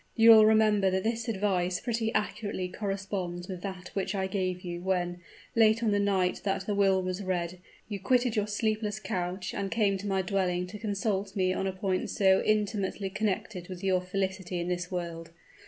You will remember that this advice pretty accurately corresponds with that which I gave you, when, late on the night that the will was read, you quitted your sleepless couch and came to my dwelling to consult me on a point so intimately connected with your felicity in this world.